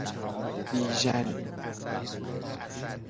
بیژن